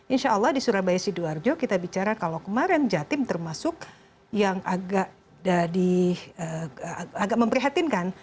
insya allah di surabaya sidoarjo kita bicara kalau kemarin jatim termasuk yang agak memprihatinkan